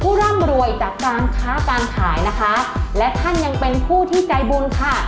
ร่ำรวยจากการค้าการขายนะคะและท่านยังเป็นผู้ที่ใจบุญค่ะ